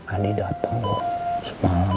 adi datang semalam